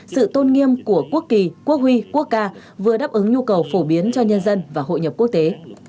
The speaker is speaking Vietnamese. sự tôn nghiêm của quốc kỳ quốc huy quốc ca vừa đáp ứng nhu cầu phổ biến cho nhân dân và hội nhập quốc tế